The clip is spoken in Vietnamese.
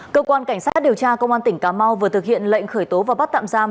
cơ quan cảnh sát điều tra công an tỉnh cà mau vừa thực hiện lệnh khởi tố và bắt tạm giam